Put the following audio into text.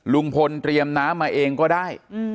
ลุงพลเตรียมน้ำมาเองก็ได้